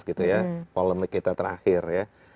gitu ya polemik kita terakhir ya